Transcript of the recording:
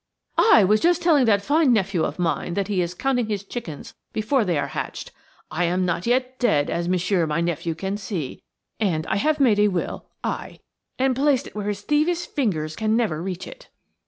"I was just telling that fine nephew of mine that he is counting his chickens before they are hatched. I am not yet dead, as Monsieur my nephew can see; and I have made a will–aye, and placed it where his thievish fingers can never reach it."